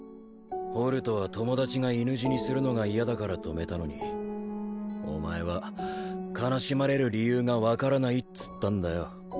ホルトは友達が犬死にするのが嫌だから止めたのにお前は悲しまれる理由が分からないっつったんだよ